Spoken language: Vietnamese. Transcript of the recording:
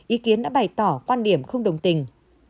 ý kiến đã bày tỏ quan điểm không đồng tình